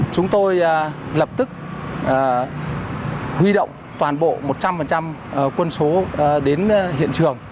chúng tôi lập tức huy động toàn bộ một trăm linh quân số đến hiện trường